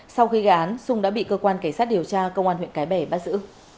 sau khi gây án sung đã bị cơ quan cảnh sát điều tra công an huyện cái bè bắt giữ